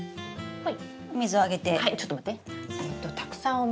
はい。